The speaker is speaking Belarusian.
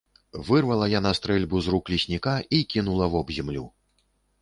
Вырвала яна стрэльбу з рук лесніка і кінула вобземлю.